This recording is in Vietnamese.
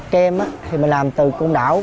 kem thì mình làm từ côn đảo